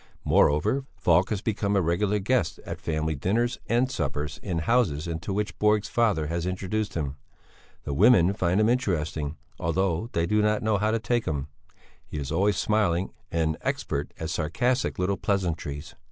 Moreover, Falk has become a regular guest at family dinners and suppers in houses into which Borg's father has introduced him. The women find him interesting, although they do not know how to take him; he is always smiling and expert at sarcastic little pleasantries.